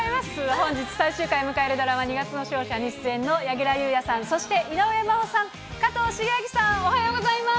本日、最終回を迎えるドラマ、二月の勝者に出演の柳楽優弥さん、そして井上真央さん、加藤シゲアキさん、おはようございます。